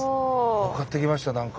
分かってきました何か。